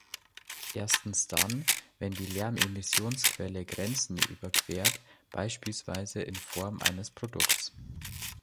Erstens dann, wenn die Lärmemissionsquelle Grenzen überquert, beispielsweise in Form eines Produkts.